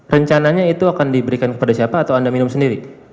rencananya itu akan diberikan kepada siapa atau anda minum sendiri